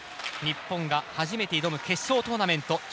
日本が初めて挑む決勝トーナメント。